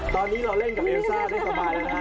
ตอนนี้เราเล่นกับเอลซ่าได้สบายนะฮะ